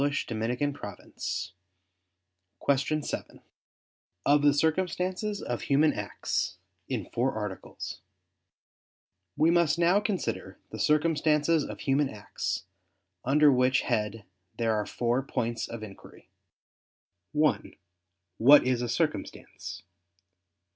________________________ QUESTION 7 OF THE CIRCUMSTANCES OF HUMAN ACTS (In Four Articles) We must now consider the circumstances of human acts: under which head there are four points of inquiry: (1) What is a circumstance?